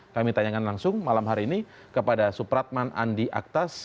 kami tanyakan langsung malam hari ini kepada supratman andi aktas